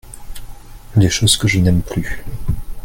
Les choses que je n'aime plus.